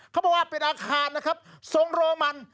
เขาบอกว่าเป็นอาคารสงโรมัน